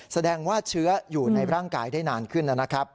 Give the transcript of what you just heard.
แสดงว่าเชื้ออยู่ในร่างกายได้นานขึ้นนะครับ